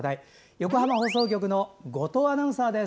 横浜放送局の後藤アナウンサーです。